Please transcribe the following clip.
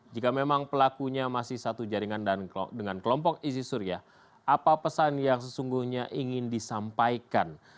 jika memang pelakunya masih satu jaringan dengan kelompok izi surya apa pesan yang sesungguhnya ingin disampaikan